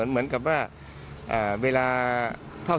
ทีมข่าวเราก็พยายามสอบปากคำในแหบนะครับ